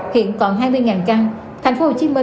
hiện còn hai mươi căn tp hcm